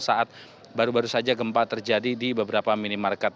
saat baru baru saja gempa terjadi di beberapa minimarket